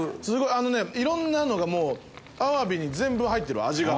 あのねいろんなのがもうアワビに全部入ってる味が。